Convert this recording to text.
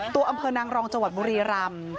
ตัวอำเภอนังรองจบุรีรำ